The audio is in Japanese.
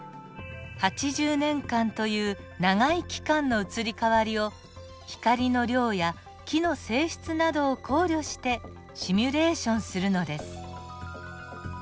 ８０年間という長い期間の移り変わりを光の量や木の性質などを考慮してシミュレーションするのです。